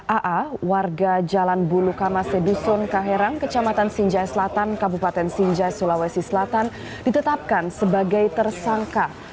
aa warga jalan bulu kamase dusun kaherang kecamatan sinjai selatan kabupaten sinjai sulawesi selatan ditetapkan sebagai tersangka